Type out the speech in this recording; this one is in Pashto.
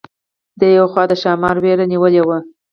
د یوې خوا د ښامار وېرې نیولې وه.